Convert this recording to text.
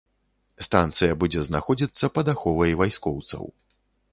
Станцыя будзе знаходзіцца пад аховай вайскоўцаў.